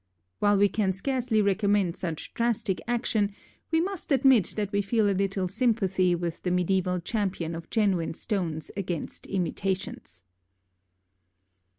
While we can scarcely recommend such drastic action, we must admit that we feel a little sympathy with the medieval champion of genuine stones against imitations.